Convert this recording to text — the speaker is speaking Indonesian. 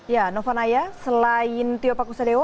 ya novanaya selain tio pakusadewa